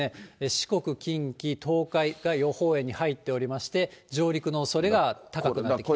四国、近畿、東海が予報円に入っておりまして、上陸のおそれが高くなってきています。